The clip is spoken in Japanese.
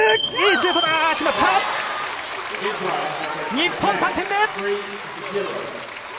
日本３点目！